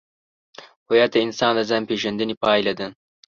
هویت د انسان د ځانپېژندنې پایله ده.